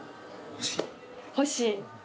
欲しい！